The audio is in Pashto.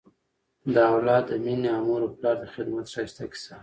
د اولاد د مینې او مور و پلار د خدمت ښایسته کیسه